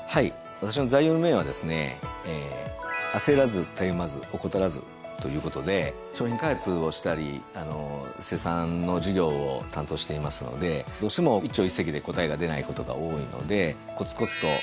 私の座右の銘はですね。ということで商品開発をしたり生産の事業を担当していますのでどうしても一朝一夕で答えが出ないことが多いので。